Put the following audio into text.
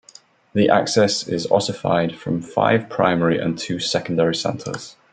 The axis is ossified from five primary and two secondary centers.